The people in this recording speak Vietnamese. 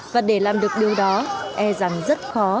và để làm được điều đó e rằng rất khó